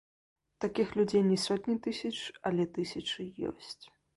Такіх людзей не сотні тысяч, але тысячы ёсць.